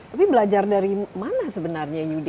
tapi belajar dari mana sebenarnya yudi